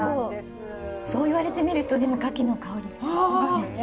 そう言われてみると牡蠣の香りがしますね。